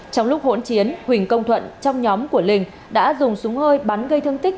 trong lúc hỗn chiến huỳnh công thuận trong nhóm của linh đã dùng súng hơi bắn gây thương tích